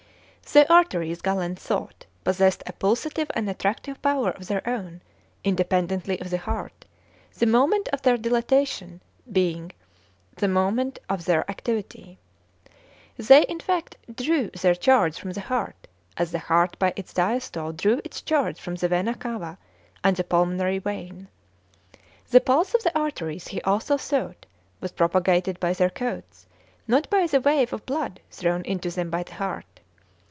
The arteries, Galen thought, possessed a pulsative and attractive power of their own, independently of the heart, the moment of their dilatation being the moment of their activity. They, in fact, drew their charge from the heart, as the heart by its diastole drew its charge from the vena cava and the pulmonary vein. The pulse of the arteries, he also thought, was propagated by their coats, not by the wave of blood thrown into them by the heart.